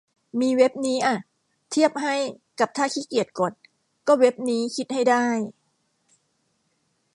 มีเว็บนี้อะเทียบให้กับถ้าขี้เกียจกด ก็เว็บนี้คิด ให้ได้